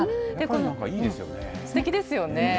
すてきですよね。